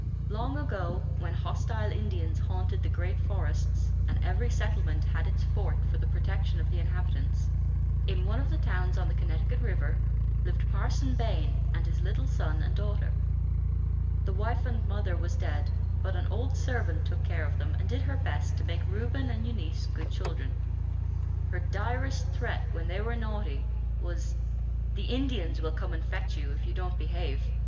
Long ago, when hostile Indians haunted the great forests, and every settlement had its fort for the protection of the inhabitants, in one of the towns on the Connecticut River, lived Parson Bain and his little son and daughter. The wife and mother was dead; but an old servant took care of them, and did her best to make Reuben and Eunice good children. Her direst threat, when they were naughty, was, "The Indians will come and fetch you, if you don't behave."